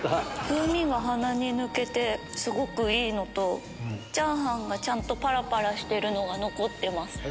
風味が鼻に抜けてすごくいいのとチャーハンがちゃんとパラパラしてるのが残ってます